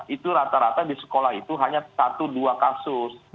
itu rata rata di sekolah itu hanya satu dua kasus